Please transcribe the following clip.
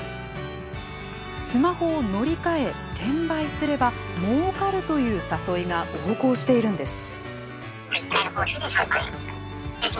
「スマホを乗り換え転売すればもうかる」という誘いが横行しているんです。